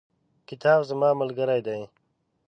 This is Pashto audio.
کتاب زما ملګری دی.